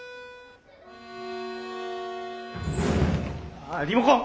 あリモコン！